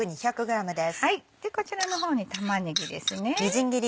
こちらの方に玉ねぎですね。